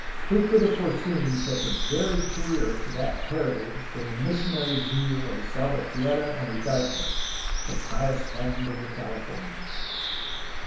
Who could have foreseen such a varied career for that heritage from the missionary zeal of Salvatierra and Ugarte, the Pious Fund of the Cahfomias!